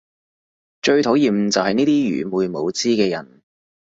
最討厭就係呢啲愚昧無知嘅人